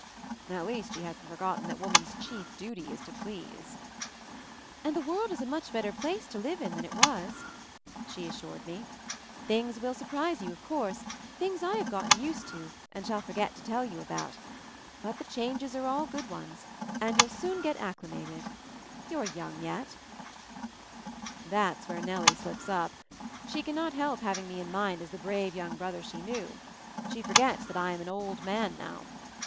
At least she hasn't forgotten that wo man's chief duty is to please. "And the world is a much better place to ve in than it was," she assured me. "Things will surprise you, of course — things I have gotten used to and shall forget to tell you about. But the changes are all good ones, and you'll soon get — acclimated. You're young yet " MOVING THE MOUNTAIN 21 That's where Nellie slips up. She cannot help having me in mind as the brave young brother she knew. She forgets that I am an old man now.